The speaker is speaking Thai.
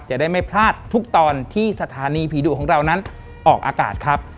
จะได้ไม่พลาดทุกตอนที่สถานีผีดุของเรานั้นออกอากาศครับ